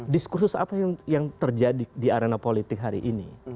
diskursus apa yang terjadi di arena politik hari ini